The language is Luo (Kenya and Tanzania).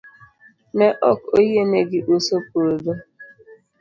Ne ok oyienegi uso puothgi.